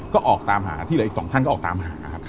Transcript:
ก็ออกตามหาที่เหลืออีก๒ท่านก็ออกตามหาครับ